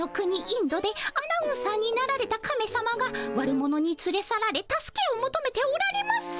インドでアナウンサーになられたカメさまが悪者につれ去られ助けをもとめておられます。